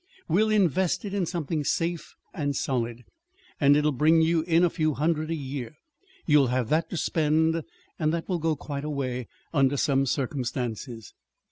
We'll invest it in something safe and solid, and it'll bring you in a few hundred a year. You'll have that to spend; and that will go quite a way under some circumstances."